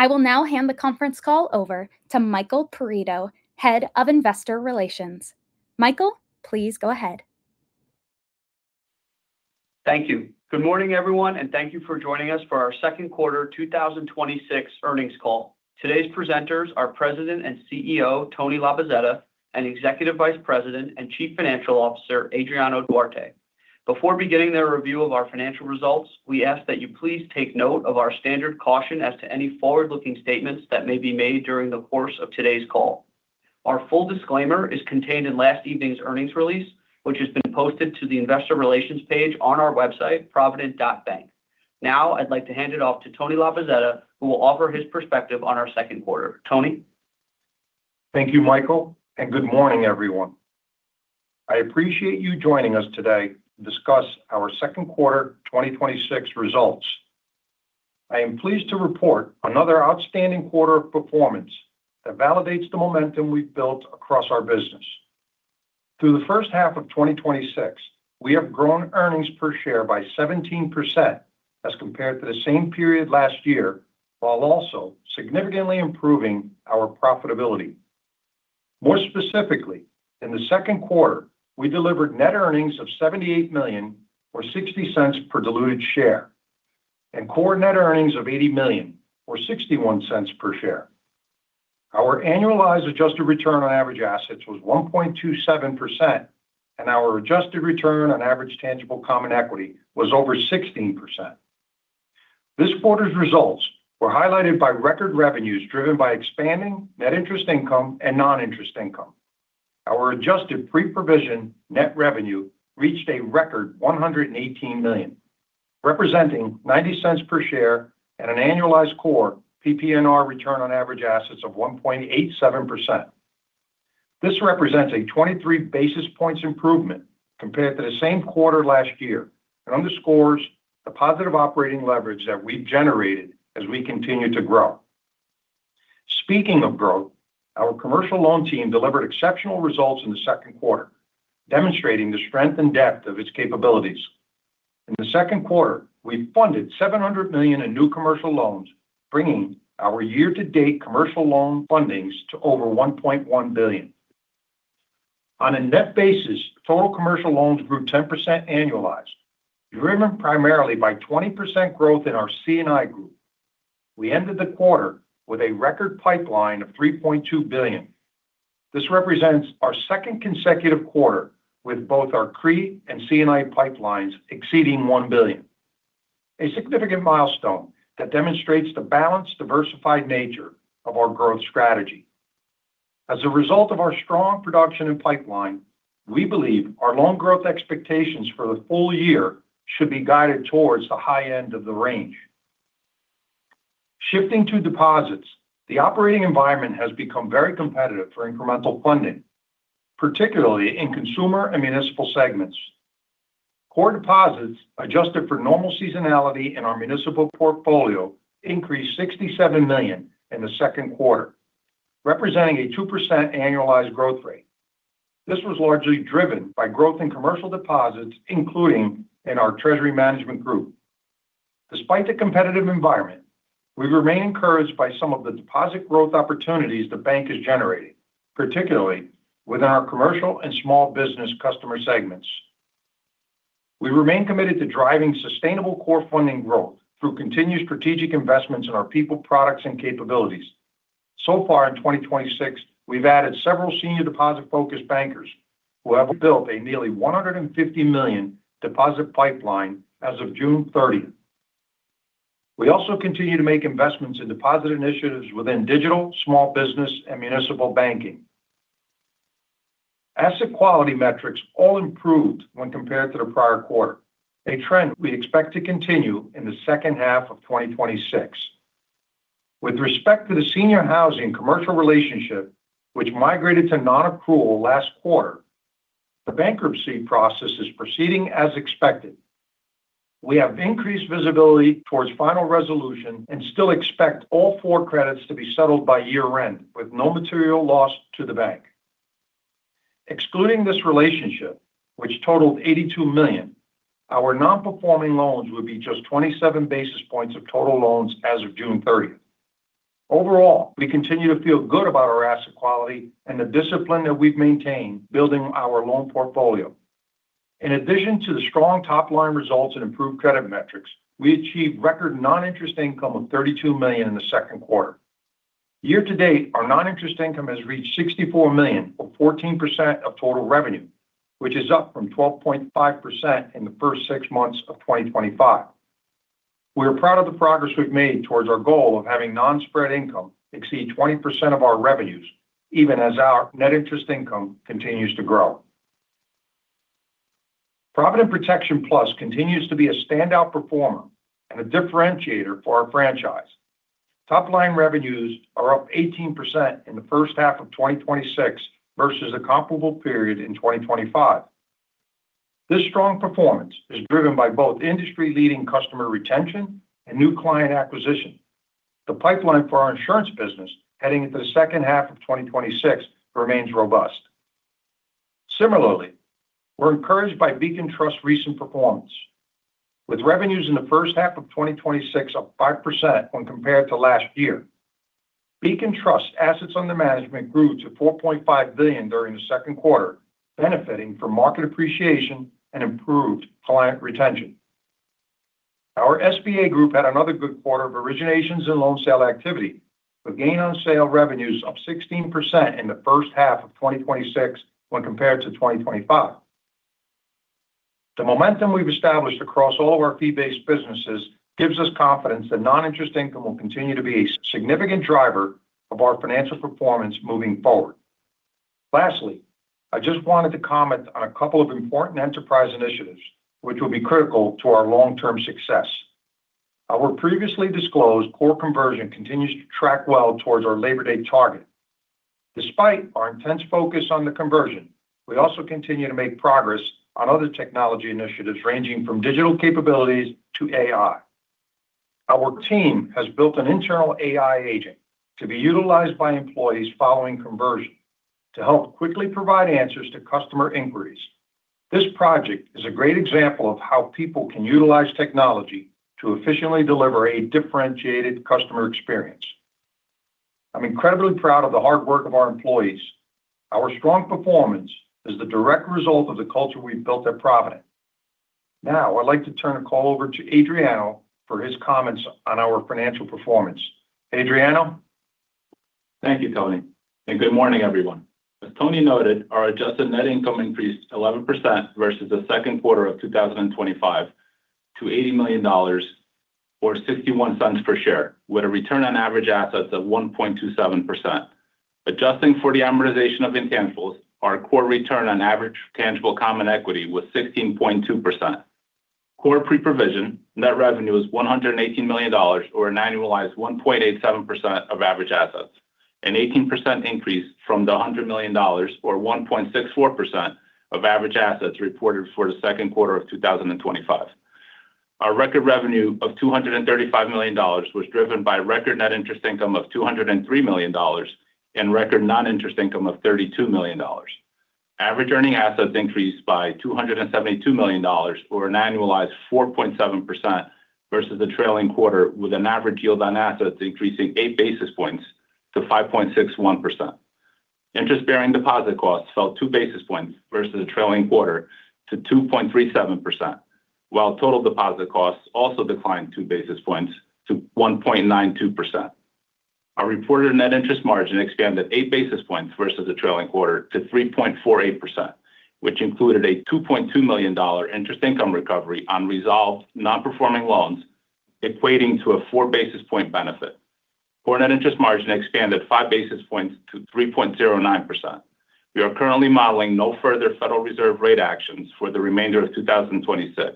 I will now hand the conference call over to Michael Perito, Head of Investor Relations. Michael, please go ahead. Thank you. Good morning, everyone, and thank you for joining us for our Q2 2026 earnings call. Today's presenters are President and CEO, Tony Labozzetta, and Executive Vice President and Chief Financial Officer, Adriano Duarte. Before beginning their review of our financial results, we ask that you please take note of our standard caution as to any forward-looking statements that may be made during the course of today's call. Our full disclaimer is contained in last evening's earnings release, which has been posted to the investor relations page on our website, provident.bank. I'd like to hand it off to Tony Labozzetta, who will offer his perspective on our second quarter. Tony? Thank you, Michael, and good morning, everyone. I appreciate you joining us today to discuss our Q2 2026 results. I am pleased to report another outstanding quarter of performance that validates the momentum we've built across our business. Through the first half of 2026, we have grown earnings per share by 17% as compared to the same period last year, while also significantly improving our profitability. More specifically, in the Q2, we delivered net earnings of $78 million or $0.60 per diluted share and core net earnings of $80 million or $0.61 per share. Our annualized adjusted return on average assets was 1.27%, and our adjusted return on average tangible common equity was over 16%. This quarter's results were highlighted by record revenues driven by expanding net interest income and non-interest income. Our adjusted pre-provision net revenue reached a record $118 million, representing $0.90 per share at an annualized core PPNR return on average assets of 1.87%. This represents a 23 basis points improvement compared to the same quarter last year and underscores the positive operating leverage that we've generated as we continue to grow. Speaking of growth, our commercial loan team delivered exceptional results in the Q2, demonstrating the strength and depth of its capabilities. In the Q2, we funded $700 million in new commercial loans, bringing our year-to-date commercial loan fundings to over $1.1 billion. On a net basis, total commercial loans grew 10% annualized, driven primarily by 20% growth in our C&I group. We ended the quarter with a record pipeline of $3.2 billion. This represents our second consecutive quarter with both our CRE and C&I pipelines exceeding $1 billion. A significant milestone that demonstrates the balanced, diversified nature of our growth strategy. As a result of our strong production and pipeline, we believe our loan growth expectations for the full year should be guided towards the high end of the range. Shifting to deposits, the operating environment has become very competitive for incremental funding, particularly in consumer and municipal segments. Core deposits, adjusted for normal seasonality in our municipal portfolio, increased $67 million in the Q2, representing a two percent annualized growth rate. This was largely driven by growth in commercial deposits, including in our treasury management group. Despite the competitive environment, we remain encouraged by some of the deposit growth opportunities the bank is generating, particularly within our commercial and small business customer segments. We remain committed to driving sustainable core funding growth through continued strategic investments in our people, products, and capabilities. So far in 2026, we've added several senior deposit-focused bankers who have built a nearly $150 million deposit pipeline as of June 30th. We also continue to make investments in deposit initiatives within digital, small business, and municipal banking. Asset quality metrics all improved when compared to the prior quarter, a trend we expect to continue in the second half of 2026. With respect to the senior housing commercial relationship, which migrated to non-accrual last quarter, the bankruptcy process is proceeding as expected. We have increased visibility towards final resolution and still expect all four credits to be settled by year-end with no material loss to the bank. Excluding this relationship, which totaled $82 million, our non-performing loans would be just 27 basis points of total loans as of June 30th. We continue to feel good about our asset quality and the discipline that we've maintained building our loan portfolio. In addition to the strong top-line results and improved credit metrics, we achieved record non-interest income of $32 million in the second quarter. Year to date, our non-interest income has reached $64 million or 14% of total revenue, which is up from 12.5% in the first six months of 2025. We are proud of the progress we've made towards our goal of having non-spread income exceed 20% of our revenues, even as our net interest income continues to grow. Provident Protection Plus continues to be a standout performer and a differentiator for our franchise. Top-line revenues are up 18% in the first half of 2026 versus the comparable period in 2025. This strong performance is driven by both industry-leading customer retention and new client acquisition. The pipeline for our insurance business heading into the second half of 2026 remains robust. We're encouraged by Beacon Trust's recent performance. With revenues in the first half of 2026 up five percent when compared to last year. Beacon Trust assets under management grew to $4.5 billion during the second quarter, benefiting from market appreciation and improved client retention. Our SBA group had another good quarter of originations and loan sale activity, with gain on sale revenues up 16% in the first half of 2026 when compared to 2025. The momentum we've established across all of our fee-based businesses gives us confidence that non-interest income will continue to be a significant driver of our financial performance moving forward. I just wanted to comment on a couple of important enterprise initiatives which will be critical to our long-term success. Our previously disclosed core conversion continues to track well towards our Labor Day target. Despite our intense focus on the conversion, we also continue to make progress on other technology initiatives, ranging from digital capabilities to AI. Our team has built an internal AI agent to be utilized by employees following conversion to help quickly provide answers to customer inquiries. This project is a great example of how people can utilize technology to efficiently deliver a differentiated customer experience. I'm incredibly proud of the hard work of our employees. Our strong performance is the direct result of the culture we've built at Provident. I'd like to turn the call over to Adriano for his comments on our financial performance. Adriano? Thank you, Tony. Good morning, everyone. As Tony noted, our adjusted net income increased 11% versus the Q2 of 2025 to $80 million or $0.61 per share, with a return on average assets of 1.27%. Adjusting for the amortization of intangibles, our core return on average tangible common equity was 16.2%. Core pre-provision net revenue was $118 million, or an annualized 1.87% of average assets, an 18% increase from the $100 million or 1.64% of average assets reported for the Q2 of 2025. Our record revenue of $235 million was driven by record net interest income of $203 million and record non-interest income of $32 million. Average earning assets increased by $272 million, or an annualized 4.7% versus the trailing quarter, with an average yield on assets increasing eight basis points to 5.61%. Interest-bearing deposit costs fell two basis points versus the trailing quarter to 2.37%, while total deposit costs also declined two basis points to 1.92%. Our reported net interest margin expanded eight basis points versus the trailing quarter to 3.48%, which included a $2.2 million interest income recovery on resolved non-performing loans, equating to a four basis point benefit. Core net interest margin expanded five basis points to 3.09%. We are currently modeling no further Federal Reserve rate actions for the remainder of 2026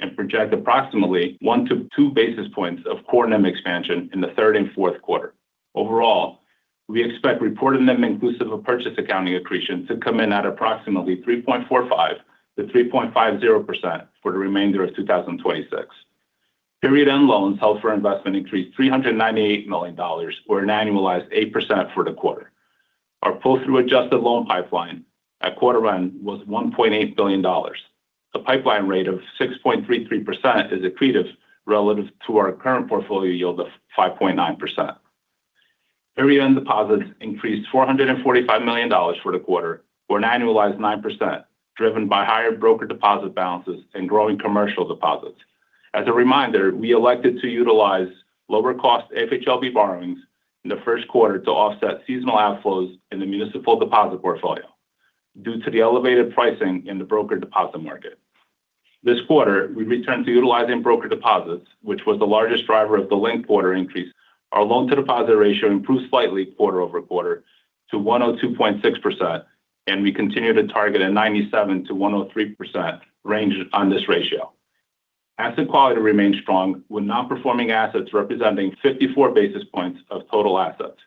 and project approximately one - two basis points of core NIM expansion in the Q3 and Q4. Overall, we expect reported NIM inclusive of purchase accounting accretion to come in at approximately 3.45%-3.50% for the remainder of 2026. Period-end loans held for investment increased $398 million or an annualized eight percent for the quarter. Our pull-through adjusted loan pipeline at quarter end was $1.8 billion. The pipeline rate of 6.33% is accretive relative to our current portfolio yield of 5.9%. Period-end deposits increased $445 million for the quarter or an annualized nine percent, driven by higher broker deposit balances and growing commercial deposits. As a reminder, we elected to utilize lower cost FHLB borrowings in the Q1 to offset seasonal outflows in the municipal deposit portfolio due to the elevated pricing in the broker deposit market. This quarter, we returned to utilizing broker deposits, which was the largest driver of the linked quarter increase. Our loan-to-deposit ratio improved slightly quarter-over-quarter to 102.6%. We continue to target a 97%-103% range on this ratio. Asset quality remains strong with non-performing assets representing 54 basis points of total assets.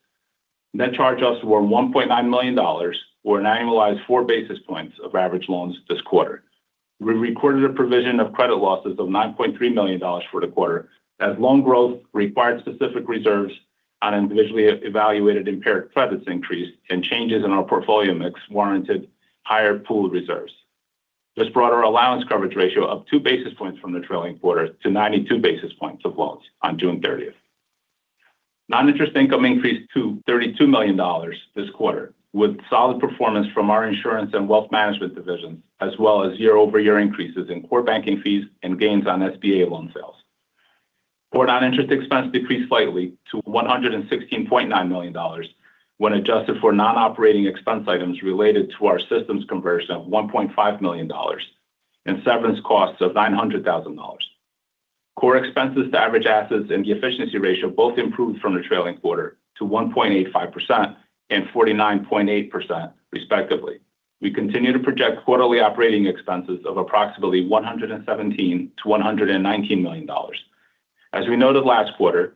Net charge-offs were $1.9 million or an annualized four basis points of average loans this quarter. We recorded a provision of credit losses of $9.3 million for the quarter as loan growth required specific reserves on individually evaluated impaired credits increase and changes in our portfolio mix warranted higher pool reserves. This brought our allowance coverage ratio up two basis points from the trailing quarter to 92 basis points of loans on June 30th. Non-interest income increased to $32 million this quarter, with solid performance from our insurance and wealth management divisions, as well as year-over-year increases in core banking fees and gains on SBA loan sales. Core non-interest expense decreased slightly to $116.9 million when adjusted for non-operating expense items related to our systems conversion of $1.5 million and severance costs of $900,000. Core expenses to average assets and the efficiency ratio both improved from the trailing quarter to 1.85% and 49.8%, respectively. We continue to project quarterly operating expenses of approximately $117 million-$119 million. As we noted last quarter,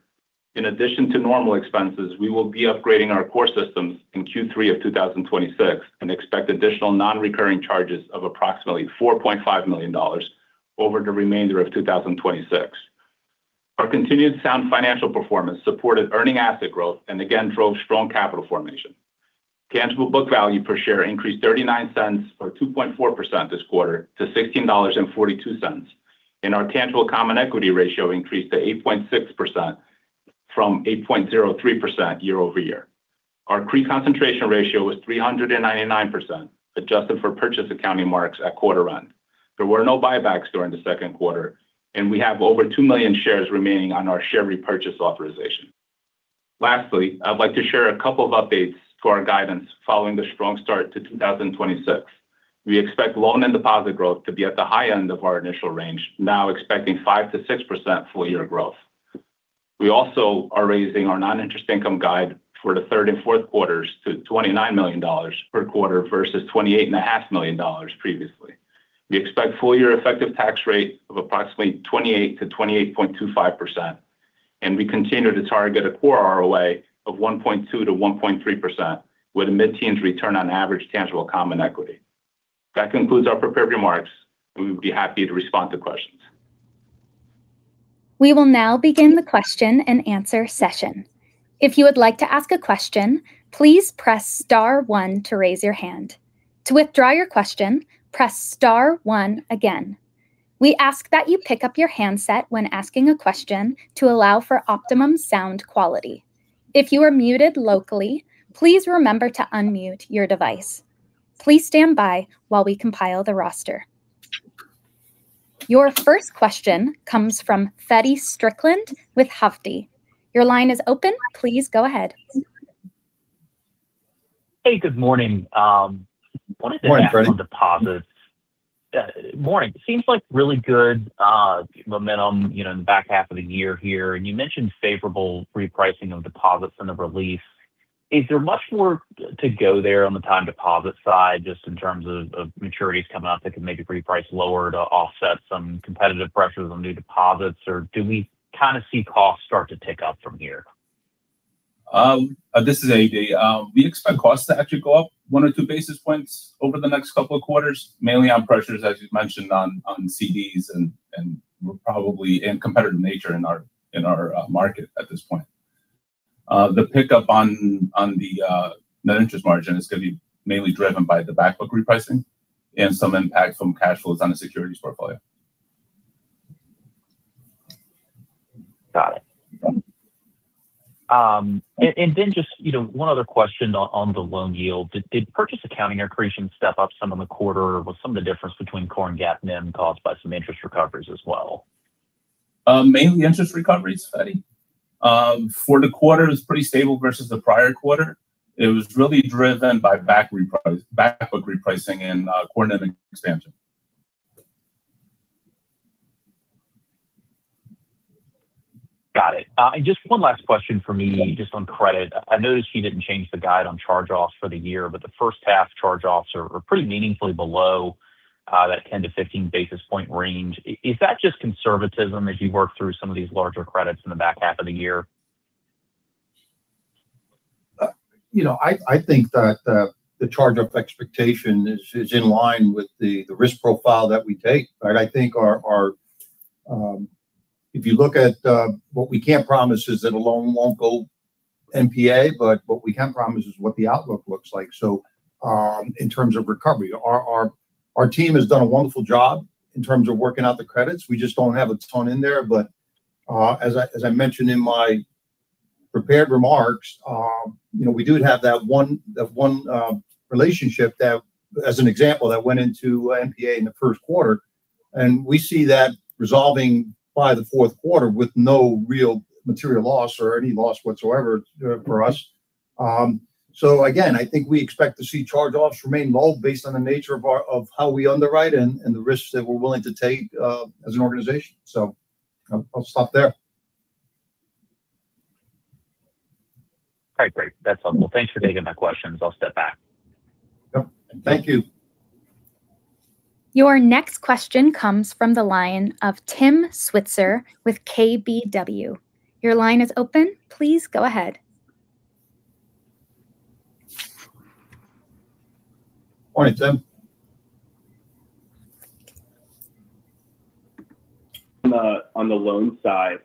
in addition to normal expenses, we will be upgrading our core systems in Q3 of 2026 and expect additional non-recurring charges of approximately $4.5 million over the remainder of 2026. Our continued sound financial performance supported earning asset growth and again drove strong capital formation. Tangible book value per share increased $0.39, or 2.4% this quarter, to $16.42. Our tangible common equity ratio increased to 8.6% from 8.03% year-over-year. Our CRE concentration ratio was 399%, adjusted for purchase accounting marks at quarter end. There were no buybacks during the Q2, and we have over two million shares remaining on our share repurchase authorization. Lastly, I'd like to share a couple of updates to our guidance following the strong start to 2026. We expect loan and deposit growth to be at the high end of our initial range, now expecting five percent-six percent full-year growth. We also are raising our non-interest income guide for the Q3 and Q4 to $29 million per quarter versus $28.5 million previously. We expect full-year effective tax rate of approximately 28%-28.25%, and we continue to target a core ROA of 1.2%-1.3%, with a mid-teens return on average tangible common equity. That concludes our prepared remarks, and we would be happy to respond to questions. We will now begin the question and answer session. If you would like to ask a question, please press star one to raise your hand. To withdraw your question, press star one again. We ask that you pick up your handset when asking a question to allow for optimum sound quality. If you are muted locally, please remember to unmute your device. Please stand by while we compile the roster. Your first question comes from Feddie Strickland with Hovde Group. Your line is open. Please go ahead. Hey, good morning. Morning, Feddie. Deposits. Morning. Seems like really good momentum in the back half of the year here. You mentioned favorable repricing of deposits and the relief. Is there much more to go there on the time deposit side, just in terms of maturities coming up that can maybe reprice lower to offset some competitive pressures on new deposits, or do we see costs start to tick up from here? This is AD. We expect costs to actually go up one or two basis points over the next couple of quarters, mainly on pressures, as you mentioned, on CDs and probably in competitive nature in our market at this point. The pickup on the net interest margin is going to be mainly driven by the back book repricing and some impact from cash flows on the securities portfolio. Got it. Yeah. Just one other question on the loan yield. Did purchase accounting or accretion step up some in the quarter? Was some of the difference between core and GAAP NIM caused by some interest recoveries as well? Mainly interest recoveries, Feddie. For the quarter it was pretty stable versus the prior quarter. It was really driven by back book repricing and core NIM expansion. Got it. Just one last question from me just on credit. I noticed you didn't change the guide on charge-offs for the year, but the first half charge-offs are pretty meaningfully below that 10-15 basis point range. Is that just conservatism as you work through some of these larger credits in the back half of the year? I think that the charge-off expectation is in line with the risk profile that we take, right? I think if you look at what we can't promise is that a loan won't go NPA, what we can promise is what the outlook looks like. In terms of recovery, our team has done a wonderful job in terms of working out the credits. We just don't have a ton in there. As I mentioned in my prepared remarks, we do have that one relationship that as an example, that went into NPA in the Q1, and we see that resolving by the Q4 with no real material loss or any loss whatsoever for us. Again, I think we expect to see charge-offs remain low based on the nature of how we underwrite and the risks that we're willing to take as an organization. I'll stop there. All right, great. That's helpful. Thanks for taking my questions. I'll step back. Yep. Thank you. Your next question comes from the line of Tim Switzer with KBW. Your line is open. Please go ahead. Morning, Tim. On the loans side,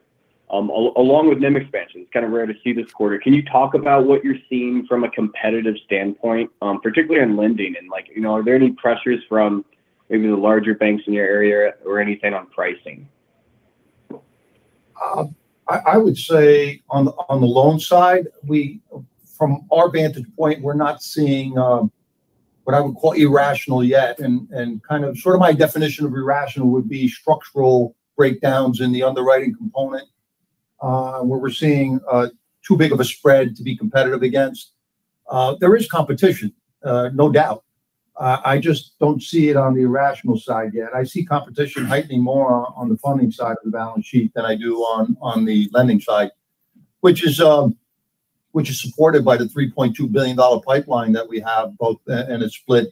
along with NIM expansion, it's kind of rare to see this quarter. Can you talk about what you're seeing from a competitive standpoint, particularly on lending? Are there any pressures from maybe the larger banks in your area or anything on pricing? I would say on the loans side, from our vantage point, we're not seeing what I would call irrational yet. Sort of my definition of irrational would be structural breakdowns in the underwriting component, where we're seeing too big of a spread to be competitive against. There is competition, no doubt. I just don't see it on the irrational side yet. I see competition heightening more on the funding side of the balance sheet than I do on the lending side, which is supported by the $3.2 billion pipeline that we have both, and it's split,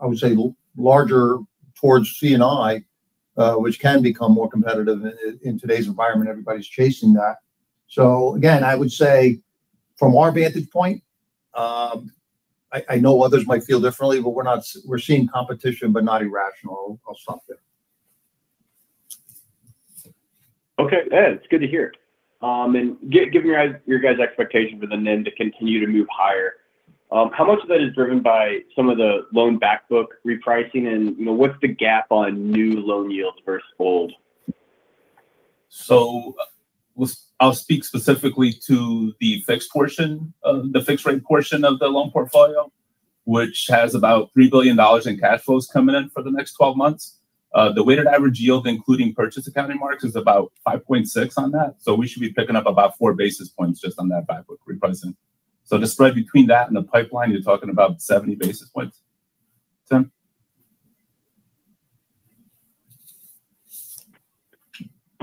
I would say larger towards C&I, which can become more competitive in today's environment. Everybody's chasing that. Again, I would say from our vantage point I know others might feel differently, but we're seeing competition, but not irrational or something. Okay. Yeah, it's good to hear. Given your guys' expectation for the NIM to continue to move higher, how much of that is driven by some of the loan back book repricing? What's the gap on new loan yields versus old? I'll speak specifically to the fixed rate portion of the loan portfolio, which has about $3 billion in cash flows coming in for the next 12 months. The weighted average yield, including purchase accounting marks, is about 5.6% on that. We should be picking up about four basis points just on that back book repricing. The spread between that and the pipeline, you're talking about 70 basis points. Tim?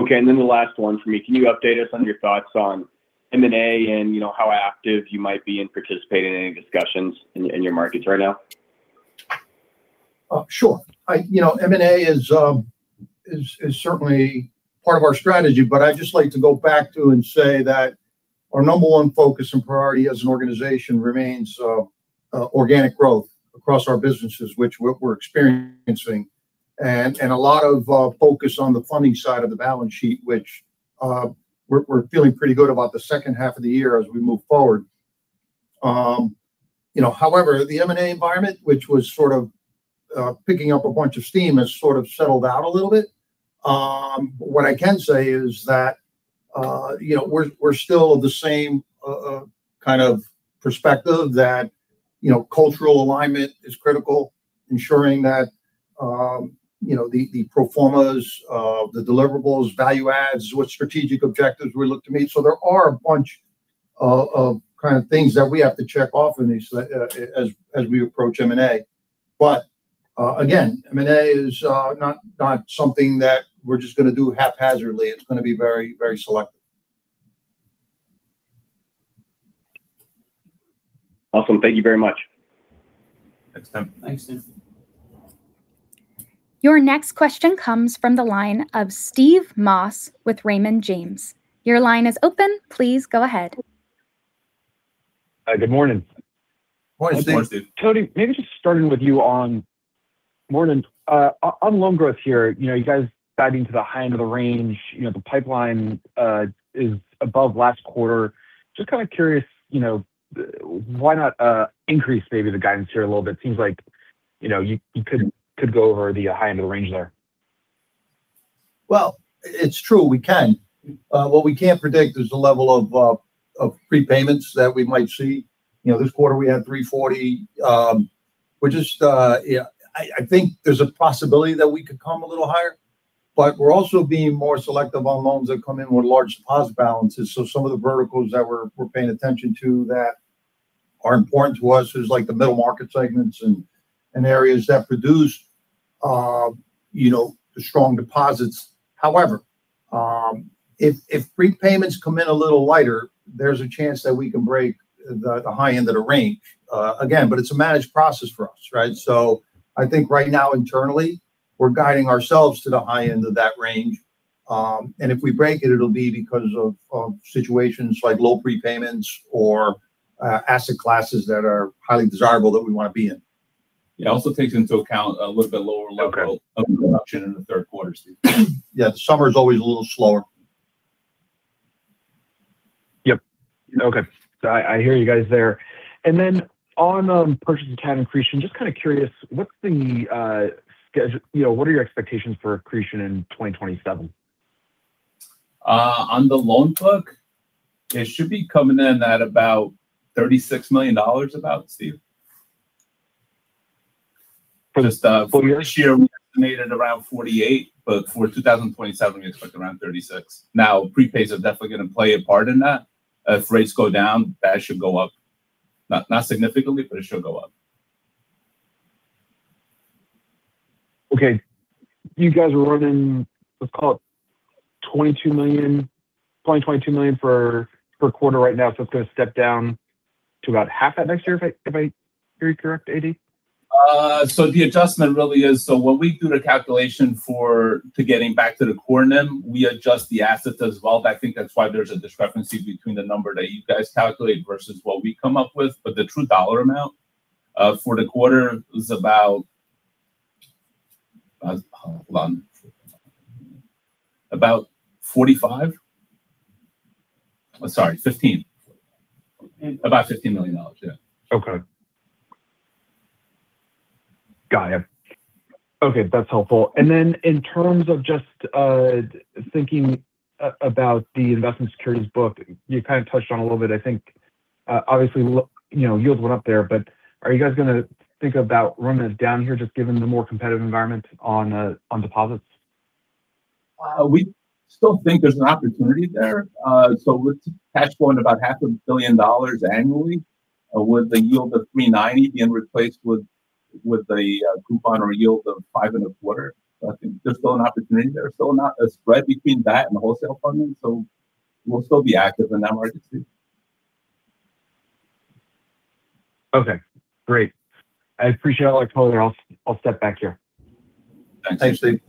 Okay, the last one from me. Can you update us on your thoughts on M&A and how active you might be in participating in any discussions in your markets right now? Sure. M&A is certainly part of our strategy, but I'd just like to go back to and say that our number one focus and priority as an organization remains organic growth across our businesses, which we're experiencing. A lot of focus on the funding side of the balance sheet, which we're feeling pretty good about the second half of the year as we move forward. However, the M&A environment, which was sort of picking up a bunch of steam, has sort of settled out a little bit. What I can say is that we're still of the same kind of perspective that cultural alignment is critical, ensuring that the pro formas, the deliverables, value adds, what strategic objectives we look to meet. There are a bunch of things that we have to check off as we approach M&A. Again, M&A is not something that we're just going to do haphazardly. It's going to be very selective. Awesome. Thank you very much. Thanks, Tim. Thanks, Tim. Your next question comes from the line of Steve Moss with Raymond James. Your line is open. Please go ahead. Hi. Good morning. Morning, Steve. Morning. Tony, maybe just starting with you on loan growth here. You guys diving to the high end of the range. The pipeline is above last quarter. Just kind of curious, why not increase maybe the guidance here a little bit? Seems like you could go over the high end of the range there. It's true, we can. What we can't predict is the level of prepayments that we might see. This quarter we had $340. I think there's a possibility that we could come a little higher, but we're also being more selective on loans that come in with large pos balances. Some of the verticals that we're paying attention to that are important to us is like the middle market segments and areas that produce the strong deposits. However, if prepayments come in a little lighter, there's a chance that we can break the high end of the range. Again, it's a managed process for us, right? I think right now internally, we're guiding ourselves to the high end of that range. If we break it'll be because of situations like low prepayments or asset classes that are highly desirable that we want to be in. Also takes into account a little bit lower level- Okay of production in the Q3, Steve. The summer's always a little slower. Yep. Okay. I hear you guys there. On purchase accounting accretion, just kind of curious, what are your expectations for accretion in 2027? On the loan book, it should be coming in at about $36 million, Steve. For this year, we estimated around $48 million. For 2027, we expect around $36 million. Prepays are definitely going to play a part in that. If rates go down, that should go up. Not significantly, it should go up. Okay. You guys were running, let's call it $20 million, $22 million for a quarter right now. It's going to step down to about half that next year, if I hear you correct, AD? The adjustment really is, so when we do the calculation for getting back to the core NIM, we adjust the assets as well. I think that's why there's a discrepancy between the number that you guys calculate versus what we come up with. The true dollar amount for the quarter is about, hold on. About $45 million. Sorry, $15 million. About $15 million. Yeah. Okay. Got it. Okay. That's helpful. Then in terms of just thinking about the investment securities book, you kind of touched on a little bit, I think. Obviously yields went up there, are you guys going to think about running it down here, just given the more competitive environment on deposits? We still think there's an opportunity there. With cash flowing about half a billion dollars annually with a yield of 390 being replaced with a coupon or a yield of 5.25, I think there's still an opportunity there. Still a spread between that and the wholesale funding, we'll still be active in that market, Steve. Okay, great. I appreciate all. I told you I'll step back here. Thanks, Steve.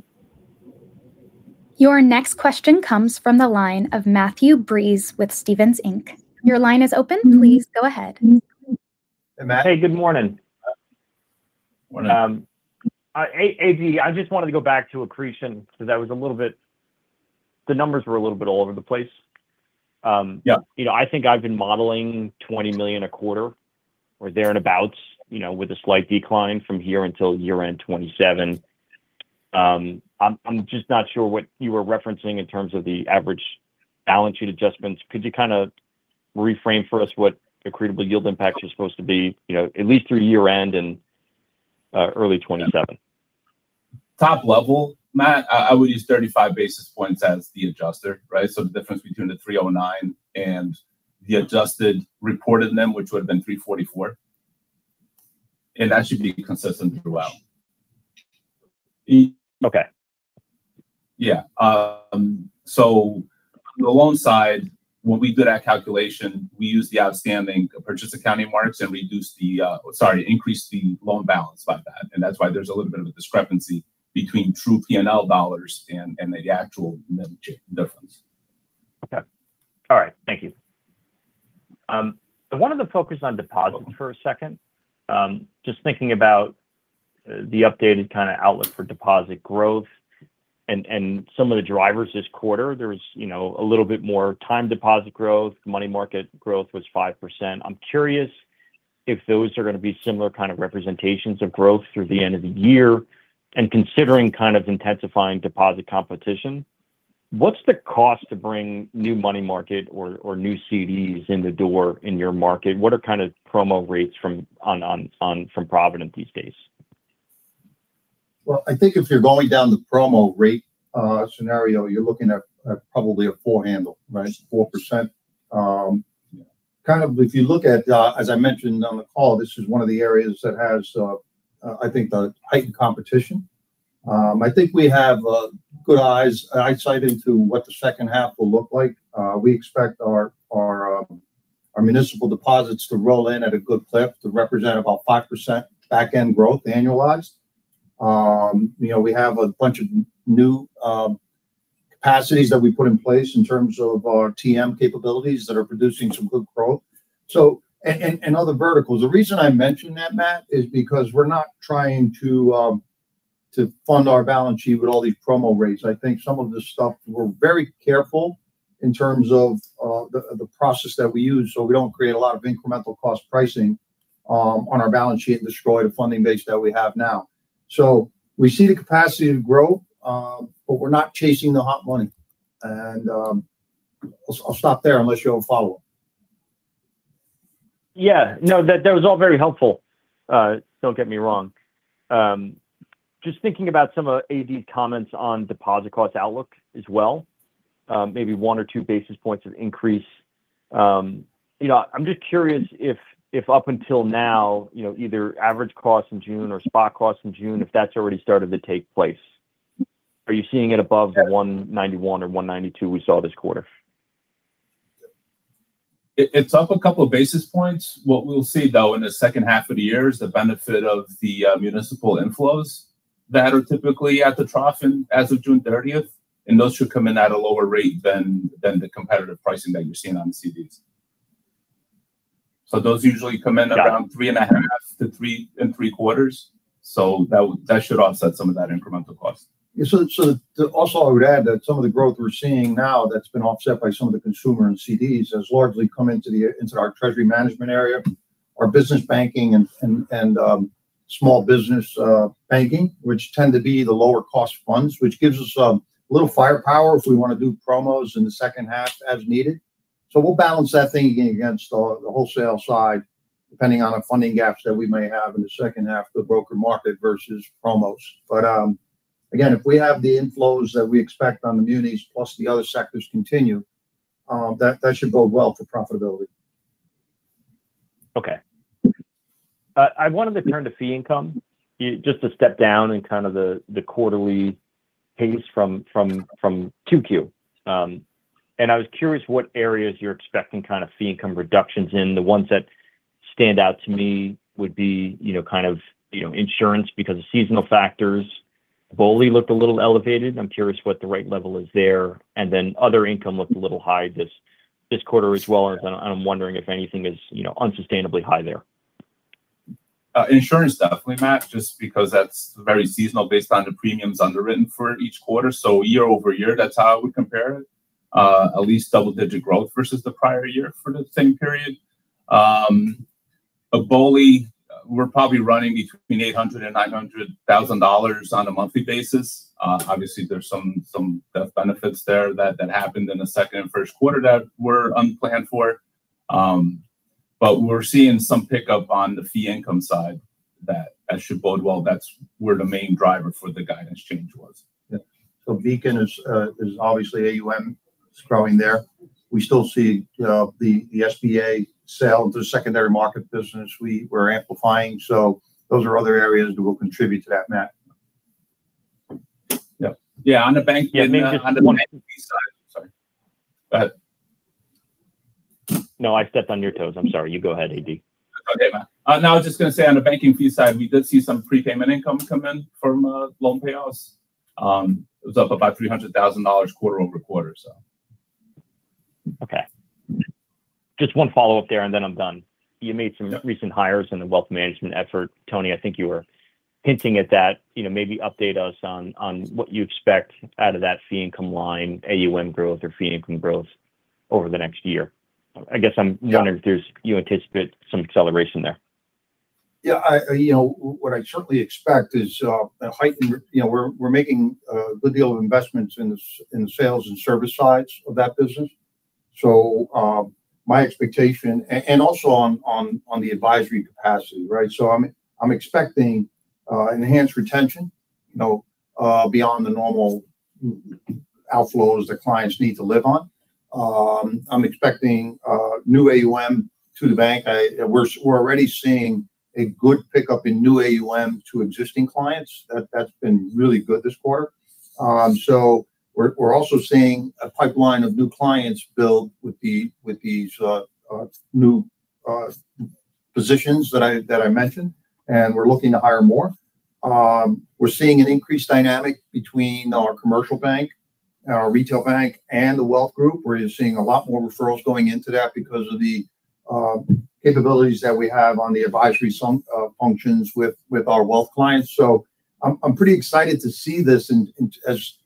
Your next question comes from the line of Matthew Breese with Stephens Inc. Your line is open. Please go ahead. Hey, Matt. Hey, good morning. Morning. AD, I just wanted to go back to accretion because the numbers were a little bit all over the place. Yeah. I think I've been modeling $20 million a quarter, or thereabouts, with a slight decline from here until year-end 2027. I'm just not sure what you were referencing in terms of the average balance sheet adjustments. Could you kind of reframe for us what accretable yield impacts are supposed to be at least through year-end and early 2027? Top level, Matt, I would use 35 basis points as the adjuster. Right? The difference between the 309 and the adjusted reported NIM, which would've been 344. It actually would be consistent throughout. Okay. Yeah. The loan side, when we did our calculation, we used the outstanding purchase accounting marks and increased the loan balance by that. That's why there's a little bit of a discrepancy between true P&L dollars and the actual NIM difference. Okay. All right. Thank you. I wanted to focus on deposits for a second. Just thinking about the updated kind of outlook for deposit growth and some of the drivers this quarter. There was a little bit more time deposit growth. Money market growth was five percent. I'm curious if those are going to be similar kind of representations of growth through the end of the year. Considering kind of intensifying deposit competition, what's the cost to bring new money market or new CDs in the door in your market? What are kind of promo rates from Provident these days? Well, I think if you're going down the promo rate scenario, you're looking at probably a four handle. Right? four percent. If you look at, as I mentioned on the call, this is one of the areas that has the heightened competition. I think we have good eyesight into what the second half will look like. We expect our municipal deposits to roll in at a good clip to represent about five percent back-end growth annualized. We have a bunch of new capacities that we put in place in terms of our TM capabilities that are producing some good growth and other verticals. The reason I mention that, Matt, is because we're not trying to fund our balance sheet with all these promo rates. I think some of this stuff, we're very careful in terms of the process that we use so we don't create a lot of incremental cost pricing on our balance sheet and destroy the funding base that we have now. We see the capacity to grow, but we're not chasing the hot money. I'll stop there unless you have a follow-up. Yeah. No, that was all very helpful. Don't get me wrong. Just thinking about some of AD's comments on deposit cost outlook as well. Maybe one or two basis points of increase. I'm just curious if up until now, either average costs in June or spot costs in June, if that's already started to take place. Are you seeing it above 191 or 192 we saw this quarter? It's up a couple of basis points. What we'll see, though, in the second half of the year is the benefit of the municipal inflows that are typically at the trough as of June 30th. Those should come in at a lower rate than the competitive pricing that you're seeing on the CDs. Those usually come in around three and a half - three and three quarters. That should offset some of that incremental cost. Yeah. Also I would add that some of the growth we're seeing now that's been offset by some of the consumer and CDs has largely come into our treasury management area, our business banking and small business banking, which tend to be the lower cost funds. Which gives us a little firepower if we want to do promos in the second half as needed. We'll balance that thinking against the wholesale side, depending on the funding gaps that we may have in the second half of the broker market versus promos. Again, if we have the inflows that we expect on the munis, plus the other sectors continue, that should bode well for profitability. Okay. I wanted to turn to fee income. Just a step down in kind of the quarterly pace from 2Q. I was curious what areas you're expecting kind of fee income reductions in. The ones that stand out to me would be insurance because of seasonal factors. BOLI looked a little elevated. I'm curious what the right level is there. Then other income looked a little high this quarter as well, and I'm wondering if anything is unsustainably high there. Insurance, definitely, Matt, just because that's very seasonal based on the premiums underwritten for each quarter. Year-over-year, that's how I would compare it. At least double-digit growth versus the prior year for the same period. BOLI, we're probably running between $800,000 and $900,000 on a monthly basis. Obviously, there's some death benefits there that happened in the Q2 and Q1 that were unplanned for. We're seeing some pickup on the fee income side that should bode well. That's where the main driver for the guidance change was. Yeah. Beacon is obviously AUM. It's growing there. We still see the SBA sale to secondary market business we're amplifying. Those are other areas that will contribute to that, Matt. Yeah. Yeah. On the bank- Yeah, maybe just one- On the NB side. Sorry. Go ahead No, I stepped on your toes. I'm sorry. You go ahead, AD. Okay, Matt. I was just going to say on the banking fee side, we did see some prepayment income come in from loan payoffs. It was up about $300,000 quarter-over-quarter. Okay. Just one follow-up there and then I'm done. You made some recent hires in the wealth management effort. Tony, I think you were hinting at that. Maybe update us on what you expect out of that fee income line, AUM growth or fee income growth over the next year. I guess I'm wondering if you anticipate some acceleration there. Yeah. What I certainly expect is a heightened. We're making a good deal of investments in the sales and service sides of that business. My expectation, and also on the advisory capacity. I'm expecting enhanced retention, beyond the normal outflows that clients need to live on. I'm expecting new AUM to the bank. We're already seeing a good pickup in new AUM to existing clients. That's been really good this quarter. We're also seeing a pipeline of new clients build with these new positions that I mentioned, and we're looking to hire more. We're seeing an increased dynamic between our commercial bank, our retail bank, and the wealth group. We're seeing a lot more referrals going into that because of the capabilities that we have on the advisory functions with our wealth clients. I'm pretty excited to see this,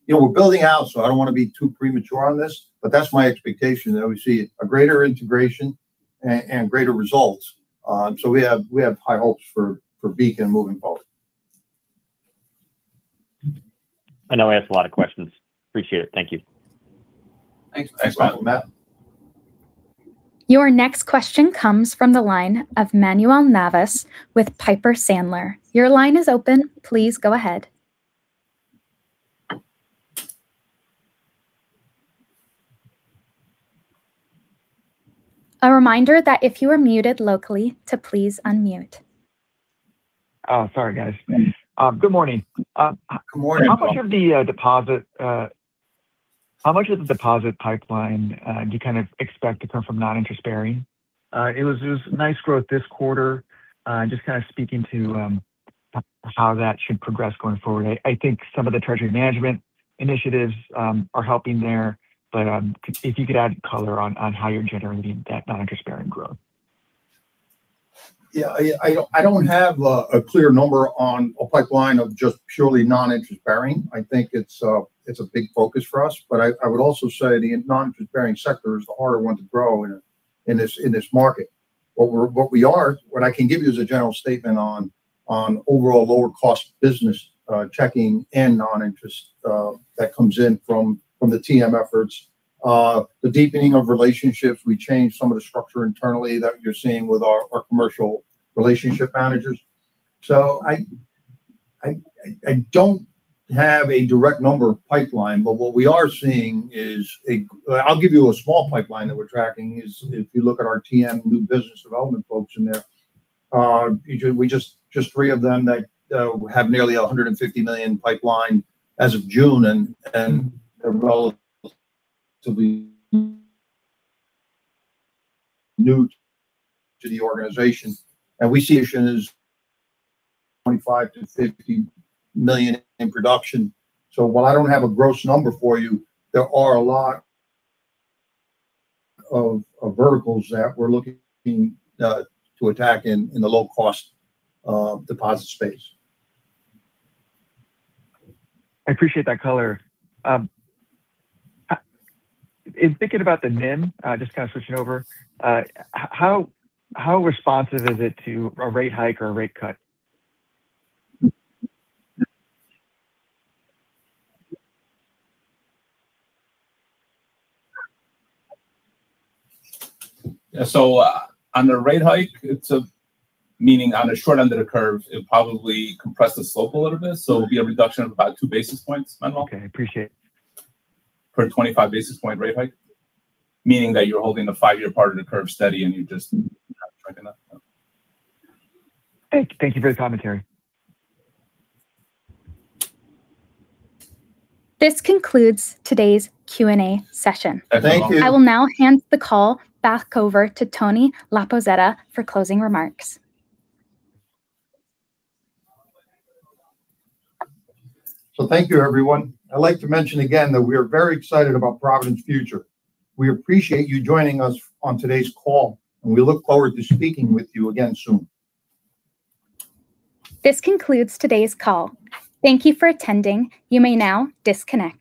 and as we're building out, I don't want to be too premature on this, but that's my expectation, that we see a greater integration and greater results. We have high hopes for Beacon moving forward. I know I asked a lot of questions. Appreciate it. Thank you. Thanks. Thanks, Matt. Your next question comes from the line of Manuel Navas with Piper Sandler. Your line is open. Please go ahead. A reminder that if you are muted locally to please unmute. Oh, sorry guys. Good morning. Good morning. How much of the deposit pipeline do you expect to come from non-interest bearing? It was nice growth this quarter, just kind of speaking to how that should progress going forward. I think some of the treasury management initiatives are helping there. If you could add color on how you're generating that non-interest bearing growth. Yeah. I don't have a clear number on a pipeline of just purely non-interest bearing. I think it's a big focus for us. I would also say the non-interest bearing sector is the harder one to grow in this market. What I can give you is a general statement on overall lower cost business checking and non-interest that comes in from the TM efforts. The deepening of relationships, we changed some of the structure internally that you're seeing with our commercial relationship managers. I don't have a direct number pipeline, what we are seeing, I'll give you a small pipeline that we're tracking is if you look at our TM new business development folks in there, just three of them that have nearly $150 million pipeline as of June, and they're relatively new to the organization. We see it as $25 million-$50 million in production. While I don't have a gross number for you, there are a lot of verticals that we're looking to attack in the low-cost deposit space. I appreciate that color. In thinking about the NIM, just kind of switching over, how responsive is it to a rate hike or a rate cut? On the rate hike, meaning on the short end of the curve, it would probably compress the slope a little bit, it would be a reduction of about two basis points, Manuel. Okay, appreciate it. For a 25 basis point rate hike, meaning that you're holding the five-year part of the curve steady and you're just Thank you for the commentary. This concludes today's Q&A session. Thank you. Thank you. I will now hand the call back over to Tony Labozzetta for closing remarks. Thank you everyone. I'd like to mention again that we are very excited about Provident's future. We appreciate you joining us on today's call, and we look forward to speaking with you again soon. This concludes today's call. Thank you for attending. You may now disconnect.